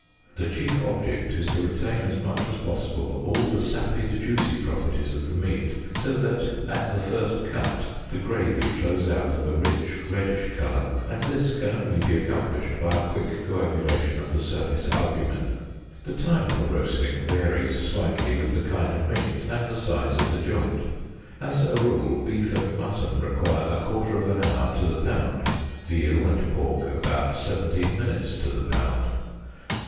The chief object is to retain as much as possible all the sapid juicy properties of the meat, so that at the first cut the gravy flows out of a rich reddish colour, and this can only be accomplished by a quick coagulation of the surface albumen. The time for roasting varies slightly with the kind of meat and the size of the joint. As a rule beef and mutton require a quarter of an hour to the pound; veal and pork about 17 minutes to the pound.